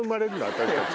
私たち。